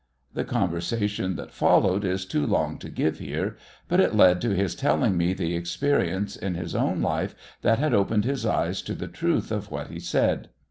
The conversation that followed is too long to give here, but it led to his telling me the experience in his own life that had opened his eyes to the truth of what he said.